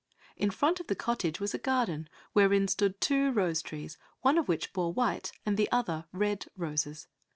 In front of the cottage was a garden wherein stood two rose trees, one of which bore white and the other red roses.